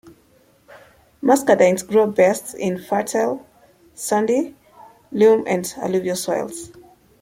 Muscadines grow best in fertile sandy loam and alluvial soils.